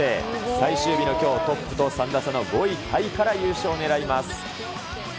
最終日のきょう、トップと３打差の５位タイから優勝を狙います。